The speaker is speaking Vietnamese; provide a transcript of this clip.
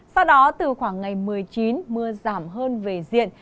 sau đó từ khoảng ngày một mươi chín mưa giảm hơn về diện